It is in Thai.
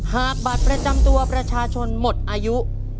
หากบัตรประจำตัวประชาชนหมดอายุ